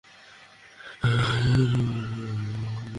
দেখ, এইখানে মাথায় হাত দিয়ে বসে থাকলে, সমস্যা সলভ হবে না।